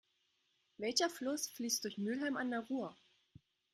Welcher Fluss fließt durch Mülheim an der Ruhr?